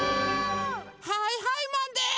はいはいマンです！